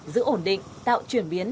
giữ ổn định tạo chuyển biến